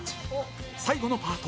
最後のパート